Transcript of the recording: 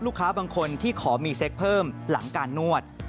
บางคนที่ขอมีเซ็กเพิ่มหลังการนวด